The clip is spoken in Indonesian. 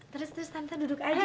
terus terus tante duduk aja